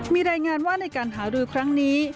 มีรายงานว่าในการหารือครั้งนี้